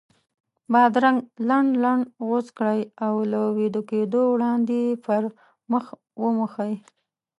بادرنګ لنډ لنډ غوڅ کړئ او له ویده کېدو وړاندې یې پر مخ وموښئ.